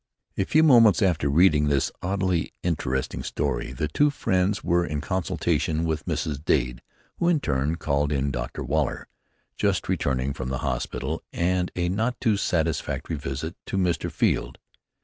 A few moments after reading this oddly interesting story the two friends were in consultation with Mrs. Dade, who, in turn, called in Dr. Waller, just returning from the hospital and a not too satisfactory visit to Mr. Field.